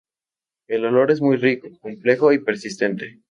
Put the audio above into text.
El olor es muy rico, complejo y persistente.